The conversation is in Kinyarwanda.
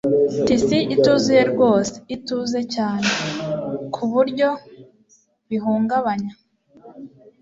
tis ituze rwose! ituze cyane, ku buryo bihungabanya